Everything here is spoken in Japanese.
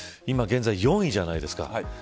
現在４位じゃないですか。